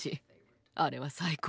あれは最高。